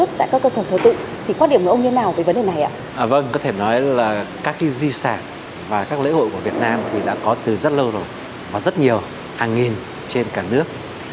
các lễ hội của việt nam đã có từ rất lâu rồi và rất nhiều hàng nghìn trên cả nước